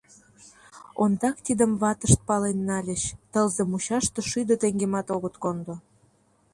Ондак тидым ватышт пален нальыч: тылзе мучаште шӱдӧ теҥгемат огыт кондо.